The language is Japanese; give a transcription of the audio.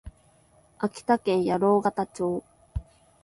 秋田県八郎潟町